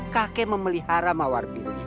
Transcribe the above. kakek memelihara mawar biru